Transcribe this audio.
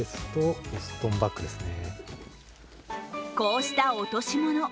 こうした落とし物。